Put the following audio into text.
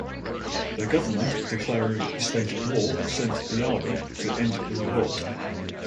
The government, declaring a state of war, sent the army to end the revolt.